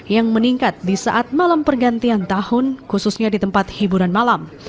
yang meningkat di saat malam pergantian tahun khususnya di tempat hiburan malam